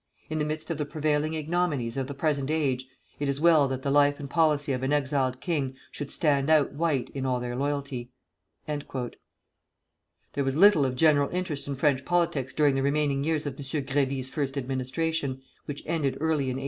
In the midst of the prevailing ignominies of the present age it is well that the life and policy of an exiled king should stand out white in all their loyalty." There was little of general interest in French politics during the remaining years of M. Grévy's first administration, which ended early in 1886.